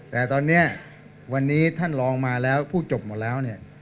แต่ตอนนี้วันนี้ท่านลองมาแล้วพูดจบหมดแล้วเนี่ย